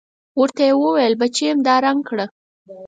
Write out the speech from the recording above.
ورته يې وويل بچېم دا رنګ کړه.